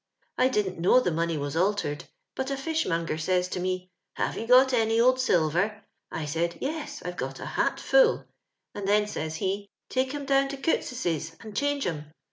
I didn't kuow the money was altered, but a fish monger saya to mo, ' Have you got any old ailver ?• I said * Yes, Ivo pot a hat full ;" and then says he, * Take 'cm tlown to Couttscsos and change 'em.'